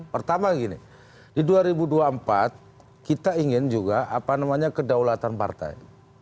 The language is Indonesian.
pertama gini di dua ribu dua puluh empat kita ingin juga apa namanya kedaulatan partai